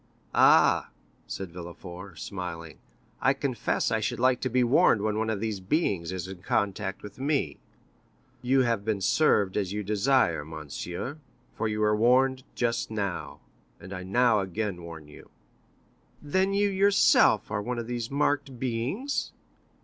"Ah," said Villefort, smiling, "I confess I should like to be warned when one of these beings is in contact with me." "You have been served as you desire, monsieur, for you were warned just now, and I now again warn you." "Then you yourself are one of these marked beings?"